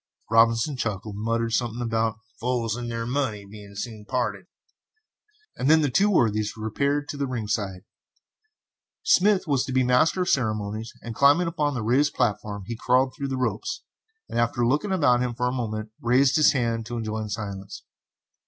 Robinson chuckled and muttered something about "fools and their money being soon parted," and then the two worthies repaired to the ringside. Smith was to be Master of the Ceremonies, and climbing upon the raised platform he crawled through the ropes, and after looking about him for a moment, raised his hands to enjoin silence.